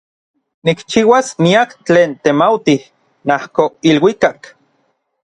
Nikchiuas miak tlen temautij najko iluikak.